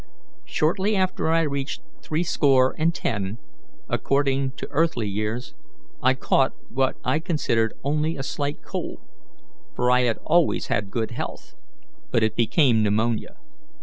Shortly after I reached threescore and ten, according to earthly years, I caught what I considered only a slight cold, for I had always had good health, but it became pneumonia.